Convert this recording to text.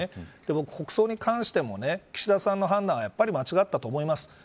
僕は、国葬に関しても岸田さんの判断はやっぱり間違ったと思います。